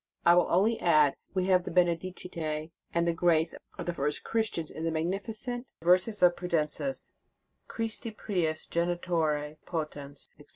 I will only add, that we have the Benedicite and Grace of the first Christians in the mag nificent verses of Prudentius: Christi prius Genitore potens, etc.